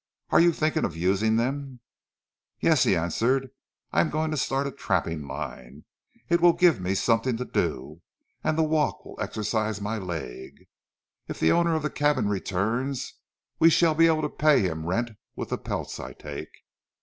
Are you thinking of using them?" "Yes," he answered, "I am going to start a trapping line. It will give me something to do; and the walk will excercise my leg. If the owner of the cabin returns we shall be able to pay him rent with the pelts I take."